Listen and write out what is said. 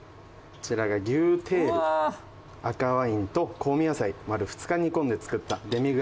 こちらが牛テール赤ワインと香味野菜丸２日煮込んで作ったデミグラスソースですね。